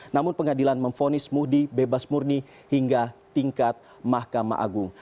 namun pengadilan memfonis muhdi bebas murni hingga tingkat mahkamah agung